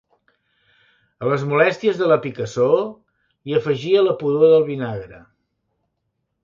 A les molèsties de la picassor hi afegia la pudor del vinagre.